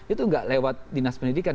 itu nggak lewat dinas pendidikan